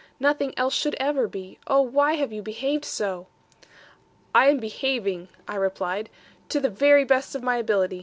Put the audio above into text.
Nothing else should ever be. Oh, why have you behaved so?' 'I am behaving.' I replied, 'to the very best of my ability.